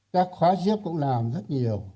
các khóa tiếp cũng làm rất nhiều